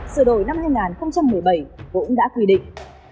sửa đổi năm hai nghìn một mươi bảy cũng đã quy định